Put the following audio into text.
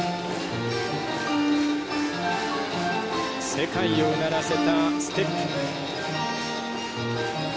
世界をうならせたステップ。